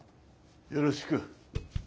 よろしく。